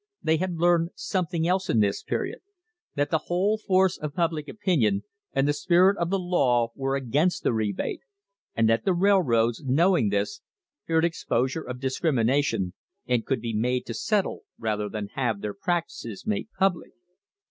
They had learned something else in this period that the whole force of public opinion and the spirit of the law were against the rebate, and that the railroads, knowing this, feared exposure of discrimination, and could be made to settle rather than have their practices made public.